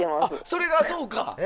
それが、そうか！